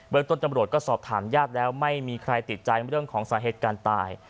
ต้นตำรวจก็สอบถามญาติแล้วไม่มีใครติดใจเรื่องของสาเหตุการณ์ตาย